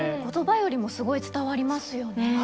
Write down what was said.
言葉よりもすごい伝わりますよね。